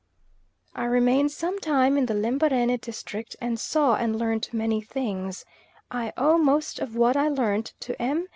I remained some time in the Lembarene district and saw and learnt many things; I owe most of what I learnt to M.